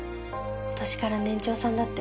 今年から年長さんだって。